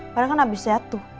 padahal kan abis sehat tuh